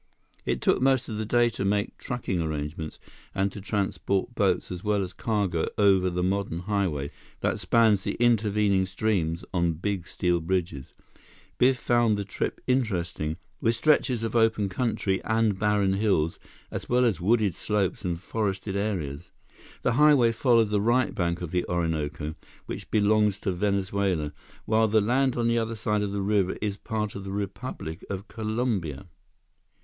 It took most of the day to make trucking arrangements, and to transport boats as well as cargo over the modern highway that spans the intervening streams on big steel bridges. Biff found the trip interesting, with stretches of open country and barren hills as well as wooded slopes and forested areas. The highway followed the right bank of the Orinoco, which belongs to Venezuela, while the land on the other side of the river is part of the Republic of Colombia.